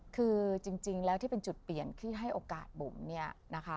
คือจริงแล้วที่เป็นจุดเปลี่ยนที่ให้โอกาสบุ๋มเนี่ยนะคะ